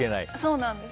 そうなんです。